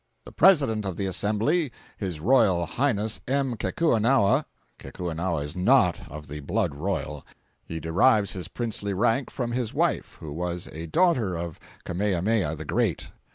The President of the Assembly, His Royal Highness M. Kekuanaoa, [Kekuanaoa is not of the blood royal. He derives his princely rank from his wife, who was a daughter of Kamehameha the Great.